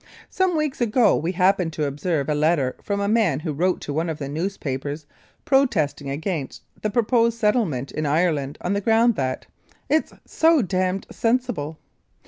Some weeks ago we happened to observe a letter from a man who wrote to one of the newspapers protesting against the proposed settlement in Ireland on the ground that, "It's so damned sensible."